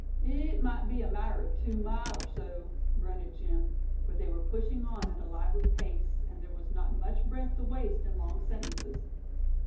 "It mout be a matter o' two mile er so," grunted Jim; for they were pushing on at a lively pace, and there was not much breath to waste in long sentences.